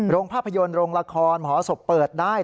โรงภาพยนตร์โรงละครหอศพเปิดได้